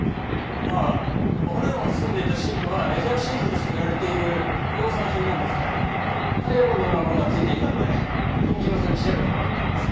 あっ骨を包んでいたシートはレジャーシートとして売られている量産品なんですがタイヤ痕のようなものがついていたので君嶋さんに調べてもらったんです。